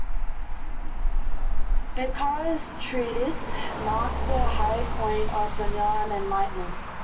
Beccaria's treatise marked the high point of the Milan Enlightenment.